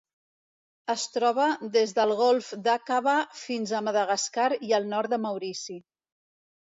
Es troba des del Golf d'Aqaba fins a Madagascar i el nord de Maurici.